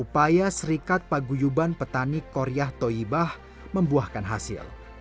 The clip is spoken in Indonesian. upaya serikat paguyuban petani koryah toibah membuahkan hasil